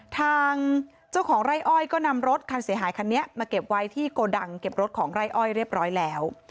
ทางเจ้าของไร่อ้อยก็นำรถคันเสียหายคันนี้มาเก็บไว้ที่โกดังเก็บรถของไร่อ้อยเรียบร้อยแล้ว